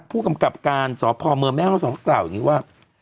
ผู้กำกับการสพเมแม่ข้อสมฆ์กล่าวอย่างงี้ว่า